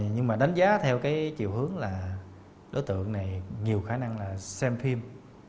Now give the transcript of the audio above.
nhưng mà đánh giá theo cái chiều hướng là đối tượng này nhiều khả năng là xem phim